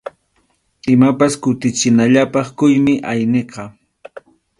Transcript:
Imapas kutichinallapaq quymi ayniqa.